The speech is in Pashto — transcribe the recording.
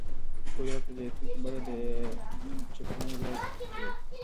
قدرت په زیاتېدونکي بڼه د چپیانو لاس ته پرېوت.